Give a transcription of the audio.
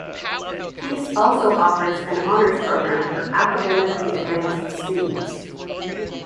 Peace also offers an honors program for academically-advanced students.